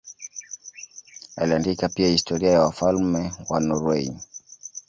Aliandika pia historia ya wafalme wa Norwei.